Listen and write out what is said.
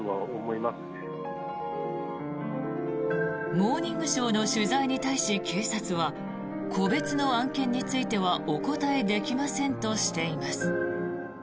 「モーニングショー」の取材に対し、警察は個別の案件についてはお答えできませんとしています。